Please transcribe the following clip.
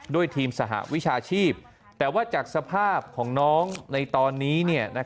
ด้วยทีมสหวิชาชีพแต่ว่าจากสภาพของน้องในตอนนี้